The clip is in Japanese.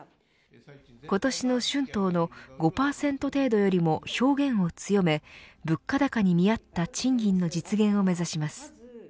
今年の春闘の５％程度よりも表現を強め物価高に見合った賃金の実現を目指します。